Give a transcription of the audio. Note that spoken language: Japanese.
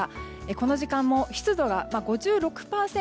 この時間も湿度が５６％。